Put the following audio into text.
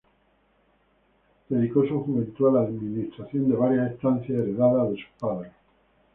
Dedicó su juventud a la administración de varias estancias heredadas de sus padres.